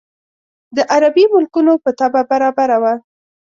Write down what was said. د عربي ملکونو په طبع برابره وه.